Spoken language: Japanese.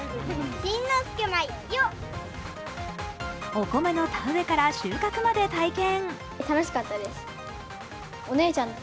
お米の田植えから収穫までを体験。